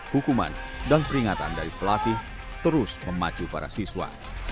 hukuman dan peringatan dari pelatih terus memacu para siswa